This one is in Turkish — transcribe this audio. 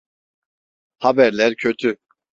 Haberler kötü.